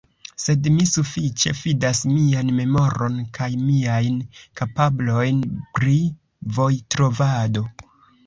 Sed mi sufiĉe fidas mian memoron kaj miajn kapablojn pri vojtrovado.